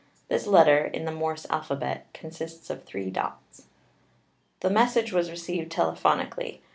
This letter, in the Morse al phabet, consists of three dots. The message was received telephonically.